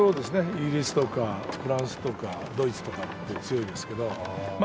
イギリスとかフランスとかドイツとか強いですけどま